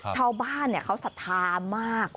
ชาวบ้านสะท้ามาก